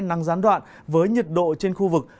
nắng gián đoạn với nhiệt độ trên khu vực